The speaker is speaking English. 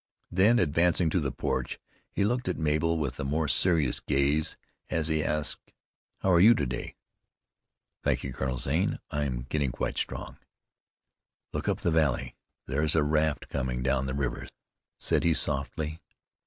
Then advancing to the porch, he looked at Mabel with a more serious gaze as he asked, "How are you to day?" "Thank you, Colonel Zane, I am getting quite strong." "Look up the valley. There's a raft coming down the river," said he softly.